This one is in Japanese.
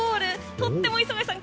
とっても磯貝さん